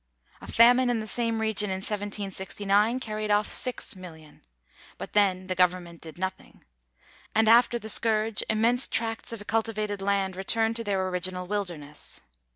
A famine in the same region in 1769 carried off 6,000,000; but then the government did nothing, and after the scourge immense tracts of cultivated land returned to their original wilderness.